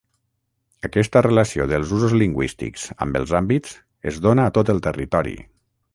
Aquesta relació dels usos lingüístics amb els àmbits es dona a tot el territori.